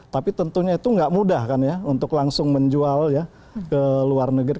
tapi tentunya itu nggak mudah kan ya untuk langsung menjual ya ke luar negeri